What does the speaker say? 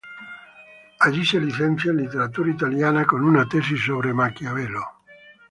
Allí se licencia en literatura italiana con una tesis sobre Maquiavelo.